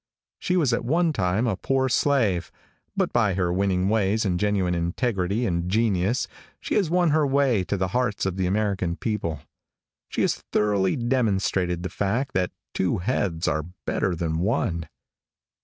She was at one time a poor slave, but by her winning ways and genuine integrity and genius, she has won her way to the hearts of the American people. She has thoroughly demonstrated the fact that two heads are better than one.